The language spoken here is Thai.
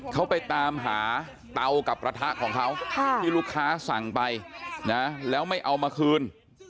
เขาไปตามหาเตากับกระทะของเขาที่ลูกค้าสั่งไปนะแล้วไม่เอามาคืน